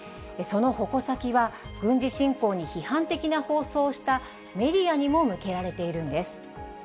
その矛先は、軍事侵攻に批判的な放送をしたメディアにも向けられているんです。